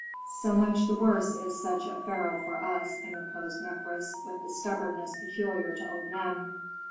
"So much the worse is such a pharaoh for us," interposed Mefres, with the stubbornness peculiar to old men.